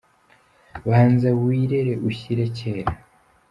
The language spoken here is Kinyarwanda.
Banza wirere ushyire kera